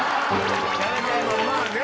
まあね。